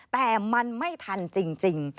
แต่มันไม่ทันจริง